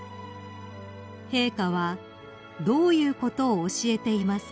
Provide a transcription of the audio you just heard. ［陛下は「どういうことを教えていますか？」